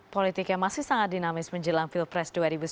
politik yang masih sangat dinamis menjelang pilpres